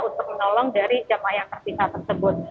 untuk menolong dari jamaah yang terpisah tersebut